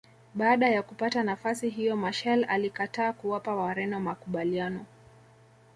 Baada ya kupata nafasi hiyo Machel alikataa kuwapa Wareno makubaliano